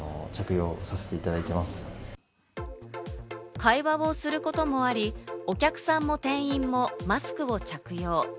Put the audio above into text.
会話をすることもあり、お客さんも店員もマスクを着用。